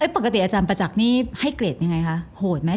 ปกติอาจารย์ประจักษ์นี่ให้เกรดยังไงคะโหดไหม